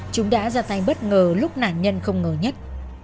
chúng đã ra tay bất ngờ lúc nạn nhân không ngờ nhất